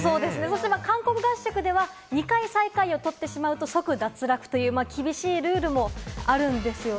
ただ韓国合宿では２回、最下位を取ってしまうと即脱落という厳しいルールもあるんですよね。